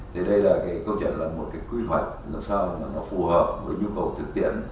thì đây là câu chuyện là một quy hoạch làm sao nó phù hợp với nhu cầu thực tiễn